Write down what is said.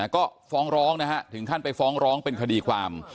ก็ฟ้องร้องนะฮะถึงขั้นไปฟ้องร้องเป็นคดีความ